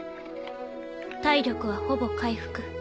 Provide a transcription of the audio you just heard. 体力はほぼ回復。